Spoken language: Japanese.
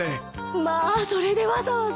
まあそれでわざわざ？